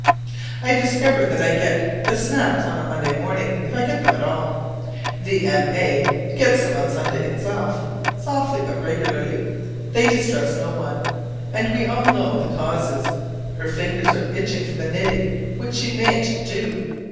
I discover that I get "the snaps" on a Monday morning, if I get them at all. The M. A. gets them on the Sunday itself, softly but regularly: they distress no one, and we all know the cause: her fingers are itching for the knitting which she mayn't do.